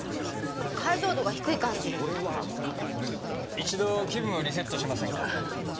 一度気分をリセットしませんか？